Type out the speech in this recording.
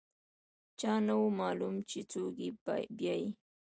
چا نه و معلوم چې څوک یې بیايي.